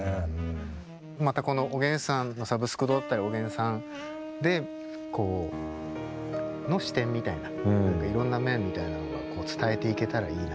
またこの「おげんさんのサブスク堂」だったり「おげんさん」でこうの視点みたいないろんな面みたいなのがこう伝えていけたらいいななんて。